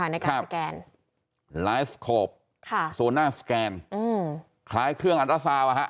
ในการสแกนค่ะค่ะโซน่าสแกนอืมคล้ายเครื่องอัตรศาสตร์วะฮะ